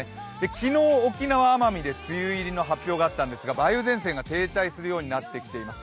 昨日、沖縄・奄美で梅雨入りの発表があったんですが梅雨前線が停滞するようになってきています。